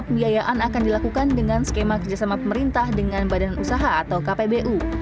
pembiayaan akan dilakukan dengan skema kerjasama pemerintah dengan badan usaha atau kpbu